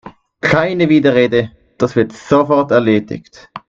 Keine Widerrede, das wird sofort erledigt!